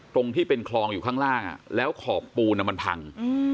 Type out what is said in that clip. ตรงที่เป็นคลองอยู่ข้างล่างแล้วขอบปูนมันพัง